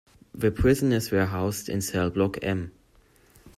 The prisoners were housed in cell block M.